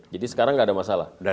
jadi sekarang tidak ada masalah